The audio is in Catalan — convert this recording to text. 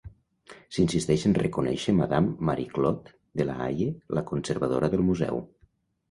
S'insisteix en reconèixer Madame Marie-Claude Delahaye, la conservadora del museu.